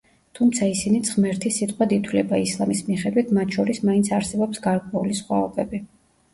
თუმცა ისინიც ღმერთის სიტყვად ითვლება, ისლამის მიხედვით მათ შორის მაინც არსებობს გარკვეული სხვაობები.